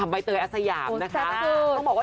ไปเตยแอษะยาบนะคะ